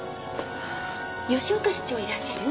吉岡師長いらっしゃる？